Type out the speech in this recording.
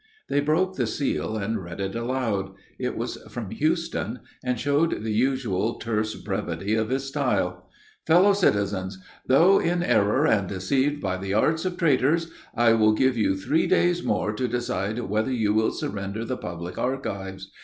They broke the seal and read it aloud. It was from Houston, and showed the usual terse brevity of his style: "FELLOW CITIZENS: Though in error, and deceived by the arts of traitors, I will give you three days more to decide whether you will surrender the public archives.